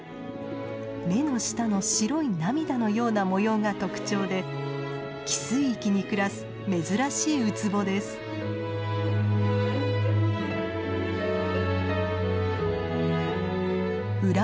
目の下の白い涙のような模様が特徴で汽水域に暮らす珍しいウツボです。